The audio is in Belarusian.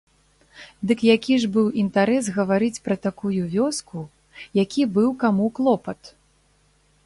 Дык які ж быў інтарэс гаварыць пра такую вёску, які быў каму клопат?!